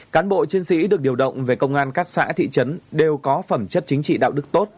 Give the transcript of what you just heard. cán bộ chiến sĩ được điều động về công an các xã thị trấn đều có phẩm chất chính trị đạo đức tốt